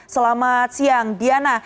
selamat siang diana